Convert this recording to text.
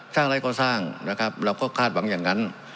อะไรก็สร้างนะครับเราก็คาดหวังอย่างนั้น